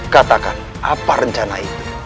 katakan apa rencana itu